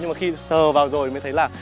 nhưng mà khi sờ vào rồi mới thấy là